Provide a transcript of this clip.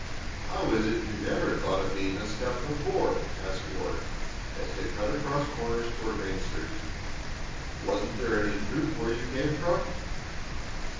"How is it you never thought of being a scout before?" asked Ward, as they cut across corners toward Main Street. "Wasn't there any troop where you came from?"